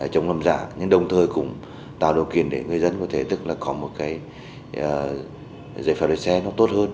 giống làm giả nhưng đồng thời cũng tạo điều kiện để người dân có thể tức là có một cái giải phép lấy xe nó tốt hơn